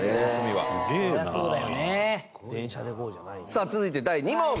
さあ続いて第２問。